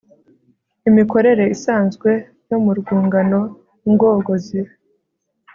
Imikorere isanzwe yo mu rwungano ngogozi